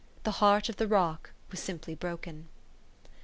The heart of the rock was simpty broken."